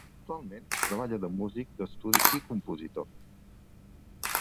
Actualment treballa de músic d'estudi i compositor.